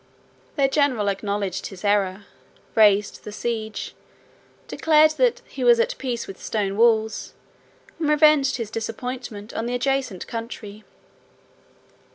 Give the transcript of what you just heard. Their general acknowledged his error, raised the siege, declared that "he was at peace with stone walls," 75 and revenged his disappointment on the adjacent country.